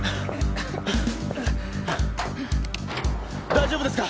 大丈夫ですか？